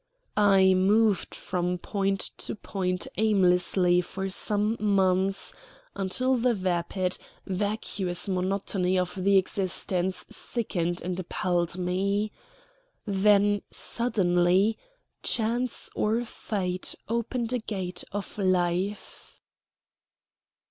I moved from point to point aimlessly for some months until the vapid, vacuous monotony of the existence sickened and appalled me. Then suddenly chance or Fate opened a gate of life.